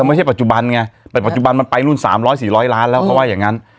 ไม่ใช่ปัจจุบันไงแต่ปัจจุบันมันไปรุ่น๓๐๐๔๐๐ล้านแล้วเขาว่าอย่างนั้น